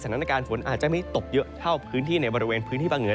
สถานการณ์ฝนอาจจะไม่ตกเยอะเท่าพื้นที่ในบริเวณพื้นที่ภาคเหนือ